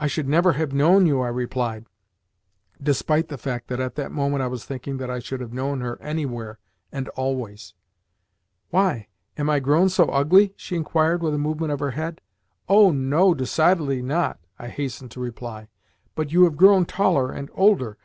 "I should never have known you," I replied, despite the fact that at the moment I was thinking that I should have known her anywhere and always. "Why? Am I grown so ugly?" she inquired with a movement of her head. "Oh, no, decidedly not!" I hastened to reply. "But you have grown taller and older.